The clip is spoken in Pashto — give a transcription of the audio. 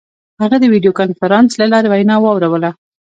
هغه د ویډیو کنفرانس له لارې وینا واوروله.